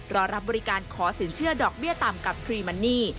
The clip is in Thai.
รอรับบริการขอสินเชื่อดอกเบี้ยต่ำกับทรีมันนี่